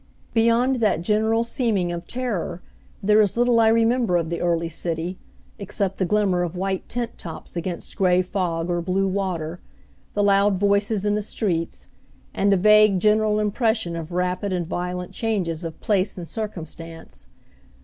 Beyond that general seeming of terror there is little I remember of the early city, except the glimmer of white tent tops against gray fog or blue water, the loud voices in the streets, and a vague, general impression of rapid and violent changes of place and circumstance.